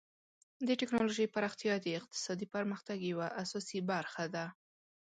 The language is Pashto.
د ټکنالوژۍ پراختیا د اقتصادي پرمختګ یوه اساسي برخه ده.